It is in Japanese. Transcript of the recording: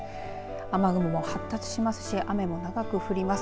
雨雲も発達しますし雨も長くなります。